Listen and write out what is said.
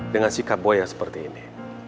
dengan sikap boy yang seperti ini